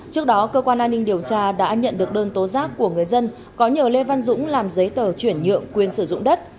trước đó cơ quan an ninh điều tra đã nhận được đơn tố giác của người dân có nhờ lê văn dũng làm giấy tờ chuyển nhượng quyền sử dụng đất